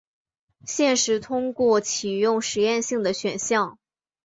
现时通过启用实验性的选项。